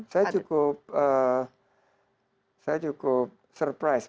saya cukup saya cukup surprise